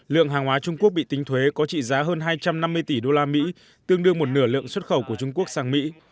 lượng hàng hóa trung quốc bị tính thuế có trị giá hơn hai trăm năm mươi tỷ đô la mỹ tương đương một nửa lượng xuất khẩu của trung quốc sang mỹ